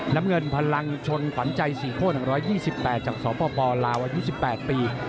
น้ำเงินพลังชนขวัญใจศรีโคตร๑๒๘จากสปลาวอายุ๑๘ปี